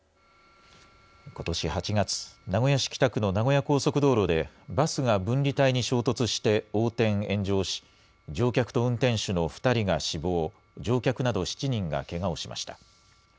ことし８月、名古屋市北区の名古屋高速道路で、バスが分離帯に衝突して横転・炎上し、乗客と運転手の２人が死亡、乗客など７人がけがをしました。